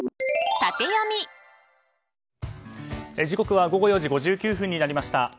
時刻は午後４時５９分になりました。